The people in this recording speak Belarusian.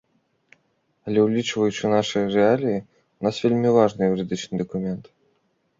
Але, улічваючы нашы рэаліі, у нас вельмі важны юрыдычны дакумент.